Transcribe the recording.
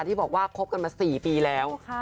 ที่บอกว่าคบกันมา๔ปีแล้ว